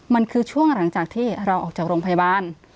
มันคือช่วงหลังจากที่เราออกจากโรงพยาบาล